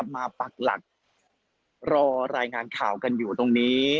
ปักหลักรอรายงานข่าวกันอยู่ตรงนี้